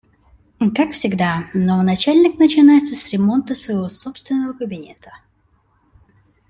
Как всегда, новый начальник начинается с ремонта своего собственного кабинета.